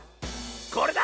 これだ！